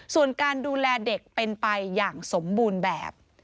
ส่วนการดูแลเด็กเป็นไปอย่างสมบูรณ์แบบ